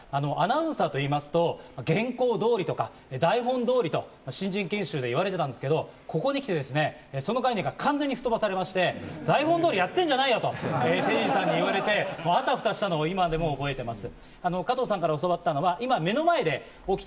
アナウンサーと言いますと、原稿通りとか台本通りと新人研修で言われていたんですけど、ここに来て、その概念が完全にふっとばされまして、台本通りやってんじゃないよ！とテリーさんに言われてあたふたしたのを今でも覚えています。